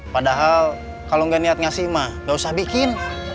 padahal kalo gak niat ngasih mah gak usah bikin